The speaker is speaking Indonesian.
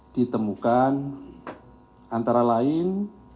ditemukan antara lain